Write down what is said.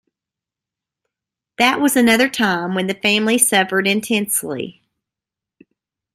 That was another time when the family suffered intensely.